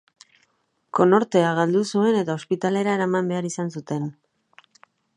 Konortea galdu zuen eta ospitalera eraman behar izan zuten.